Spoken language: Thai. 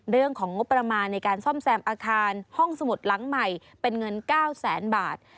เรื่องของงบประมาณในการซ่อมแซมอาคารห้องสมุดหลังใหม่เป็นเงิน๙แสนบาท